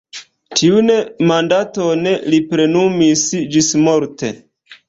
Tiun mandaton li plenumis ĝismorte.